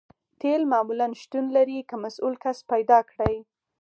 تیل معمولاً شتون لري که مسؤل کس پیدا کړئ